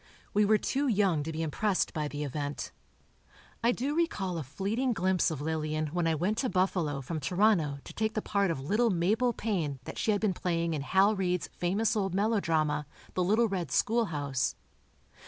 We were too young to be impressed by the event. I do recall a fleeting glimpse of Lillian when I went to Buffalo from Toronto to take the part of little Mabel Payne that she had been playing in Hal Reid's famous old melodrama, "The Little Red Schoolhouse."